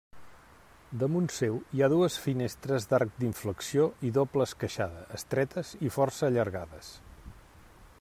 Damunt seu hi ha dues finestres d'arc d'inflexió i doble esqueixada, estretes i força allargades.